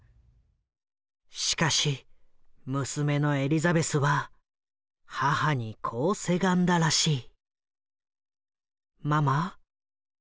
しかし娘のエリザベスは母にこうせがんだらしい。